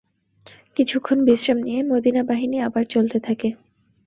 কিছুক্ষণ বিশ্রাম নিয়ে মদীনাবাহিনী আবার চলতে থাকে।